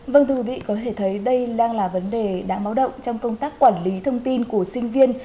vâng thưa quý vị có thể thấy đây đang là vấn đề đáng báo động trong công tác quản lý thông tin của sinh viên